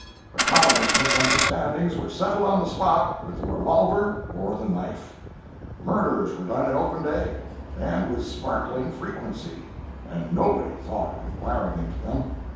The commonest misunderstandings were settled on the spot with the revolver or the knife. Murders were done in open day, and with sparkling frequency, and nobody thought of inquiring into them.